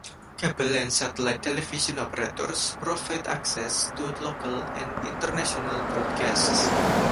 Cable and satellite television operators provide access to local and international broadcasts.